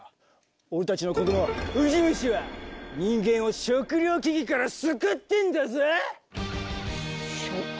俺たちの子どもウジ虫は人間を食糧危機から救ってんだぜ！